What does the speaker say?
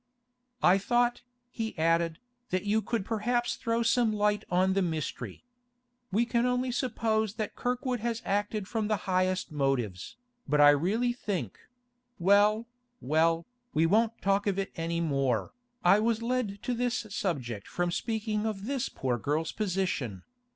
'I thought,' he added, 'that you could perhaps throw some light on the mystery. We can only suppose that Kirkwood has acted from the highest motives, but I really think—well, well, we won't talk of it any more. I was led to this subject from speaking of this poor girl's position.